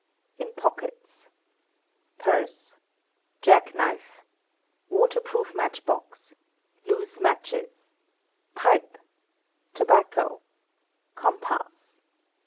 In Pockets: Purse. Jackknife. Waterproof matchbox. Loose matches. Pipe. Tobacco. Compass.